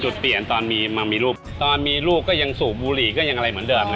จุดเปลี่ยนตอนมีมามีลูกตอนมีลูกก็ยังสูบบุหรี่ก็ยังอะไรเหมือนเดิมนะ